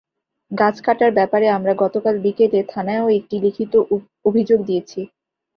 গাছ কাটার ব্যাপারে আমরা গতকাল বিকেলে থানায়ও একটি লিখিত অভিযোগ দিয়েছি।